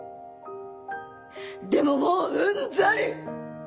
でももううんざり！